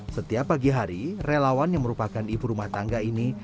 setiap pagi hari relawan yang merupakan ibu rumah tangga ini